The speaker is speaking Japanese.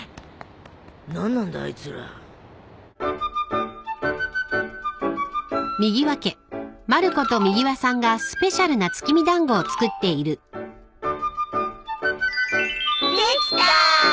何なんだあいつら。できた！